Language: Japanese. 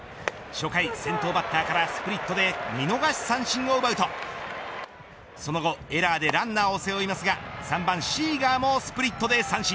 初回、先頭バッターからスプリットで見逃し三振を奪うとその後、エラーでランナーを背負いますが３番シーガーもスプリットで三振。